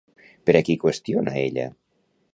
Per a qui qüestiona ella?